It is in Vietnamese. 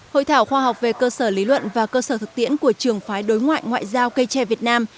hội thảo khoa học về cơ sở lý luận và cơ sở thực tiễn của trường phái đối ngoại ngoại giao cây tre việt nam